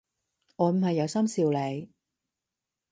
我唔係有心笑你